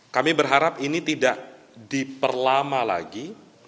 kami berharap ini tidak diperlama lagi